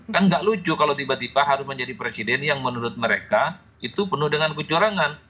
kan gak lucu kalau tiba tiba harus menjadi presiden yang menurut mereka itu penuh dengan kecurangan